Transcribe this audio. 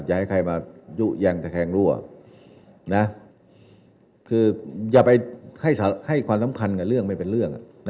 อยากให้ใครมายุยังตะแคงรั่วนะคืออย่าไปให้ความสำคัญกับเรื่องไม่เป็นเรื่อง